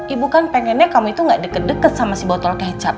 ibu kan pengennya kamu itu gak deket deket sama si botol kecap